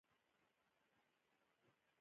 وروسته د هغه ملاتړو څو بلواوې او پاڅونونه وکړل.